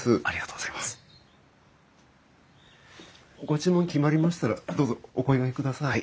ご注文決まりましたらどうぞお声がけください。